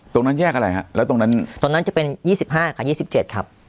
ตรงนั้นแยกอะไรฮะแล้วตรงนั้นตรงนั้นจะเป็นยี่สิบห้าค่ะยี่สิบเจ็ดครับ